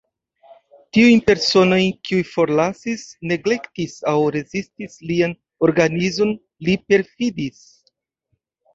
Tiujn personojn, kiuj forlasis, neglektis aŭ rezistis lian organizon, li perfidis.